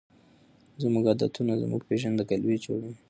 زموږ عادتونه زموږ پیژندګلوي جوړوي.